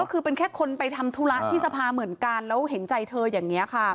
ก็คือเป็นแค่คนไปทำธุระที่สภาเหมือนกันแล้วเห็นใจเธออย่างนี้ค่ะ